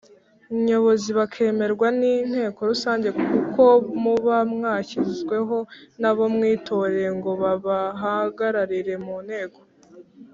Nyobozi bakemerwa n Inteko Rusange kuko muba mwashizweho nabo mwitoreye ngo baba hagararire mu nteko.